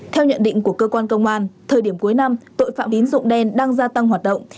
theo nhận định của cơ quan công an thời điểm cuối năm tội phạm tín dụng đen đang gia tăng hoạt động